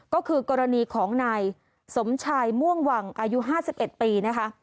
ก็คือกรณีของนายสมชายม่วงวังอายุ๕๑ปีนะคะ